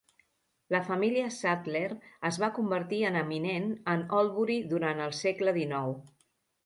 La família Sadler es va convertir en eminent en Oldbury durant el segle XIX.